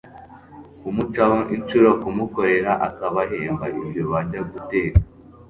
Kumucaho inshuro: Kumukorera akabahemba ibyo bajya guteka.